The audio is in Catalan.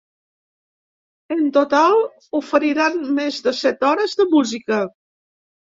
En total, oferiran més de set hores de música.